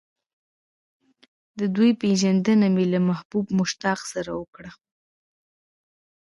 د دوی پېژندنه مې له محبوب مشتاق سره وکړه.